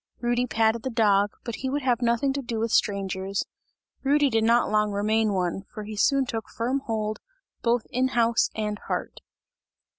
Rudy patted the dog, but he would have nothing to do with strangers; Rudy did not long remain one, for he soon took firm hold both in house and heart.